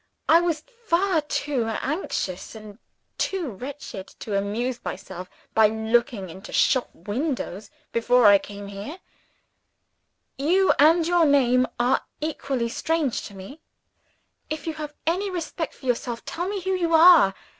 I was far too anxious and too wretched, to amuse myself by looking into shop windows before I came here. You, and your name, are equally strange to me. If you have any respect for yourself, tell me who you are.